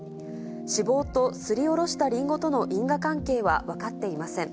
死亡とすりおろしたりんごとの因果関係は分かっていません。